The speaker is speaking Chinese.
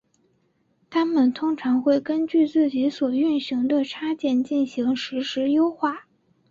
它们通常会根据自己所运行的插件进行实时优化。